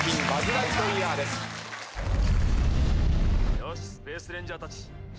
「よしスペース・レンジャーたち出発だ」